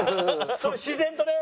それ自然とね。